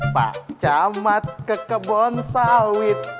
pacamat ke kebon sawit